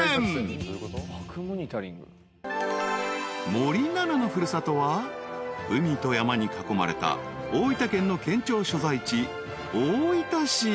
［森七菜の古里は海と山に囲まれた大分県の県庁所在地］